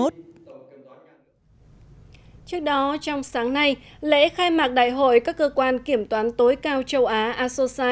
trước đó trong sáng nay lễ khai mạc đại hội các cơ quan kiểm toán tối cao châu á asosai